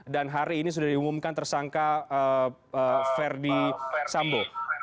dan hari ini sudah diumumkan tersangka verdi sambo